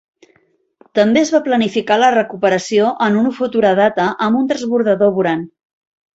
També es va planificar la recuperació en una futura data amb un transbordador Buran.